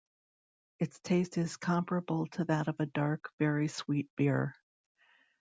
Its taste is comparable to that of a dark, very sweet beer.